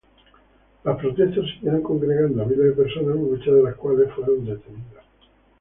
Las protestas siguieron congregando a miles de personas, muchas de las cuales fueron detenidas.